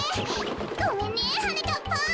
ごめんねはなかっぱん。